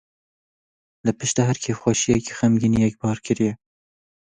Li ser pişta her kêfxweşiyekê xemgîniyek barkirî ye.